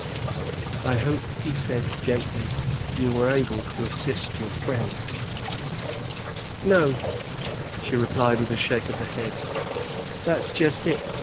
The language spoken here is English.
I hope," he said gently, " you were able to assist your friend." " No," she replied with a shake of the head, " that's just it.